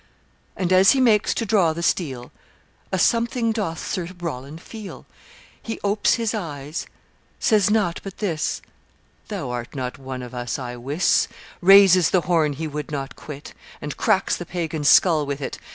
"And as he makes to draw the steel, A something doth Sir Roland feel; He opes his eyes, says nought but this, 'Thou art not one of us, I wis,' Raises the horn he would not quit, And cracks the pagan's skull with it.